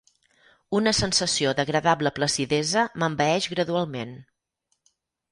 Una sensació d'agradable placidesa m'envaeix gradualment.